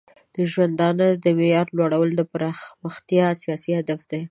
د ژوندانه د معیار لوړول د پرمختیا اساسي هدف دی.